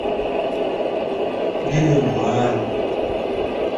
Gịnị bụ arụ?